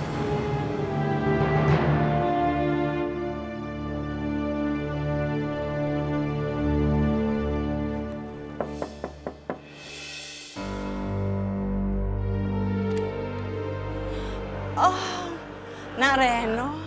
aku tahu waktu itu ibu sudah nolak untuk datang ke rumah